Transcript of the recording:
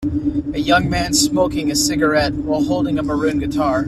A young man is smoking a cigarette while holding a maroon guitar.